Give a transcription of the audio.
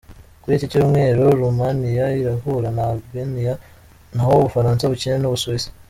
Kuri iki cyumweru, Roumania irahura na Albania naho Ubufaransa bukine n'Ubusuwisi.